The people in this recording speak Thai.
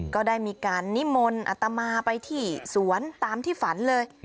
ก็ได้มีการนิมนต์อัตมาไปที่สวนตามที่ฝันเลย